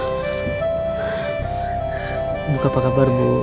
ibu apa kabar ibu